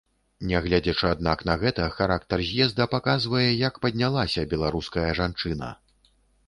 Нягледзячы аднак на гэта, характар з'езда паказвае, як паднялася беларуская жанчына.